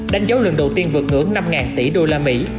đánh dấu lần đầu tiên vượt ngưỡng năm tỷ usd